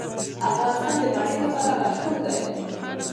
افغانستان د منی لپاره مشهور دی.